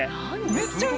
めっちゃ海。